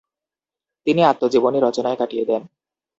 তিনি আত্মজীবনী রচনায় কাটিয়ে দেন।